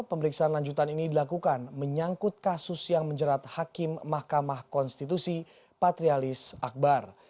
pemeriksaan lanjutan ini dilakukan menyangkut kasus yang menjerat hakim mahkamah konstitusi patrialis akbar